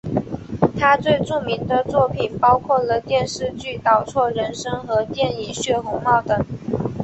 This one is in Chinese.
他最著名的作品包括了电视剧倒错人生和电影血红帽等。